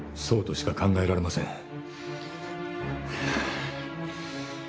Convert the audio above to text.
そうとしか考えられません。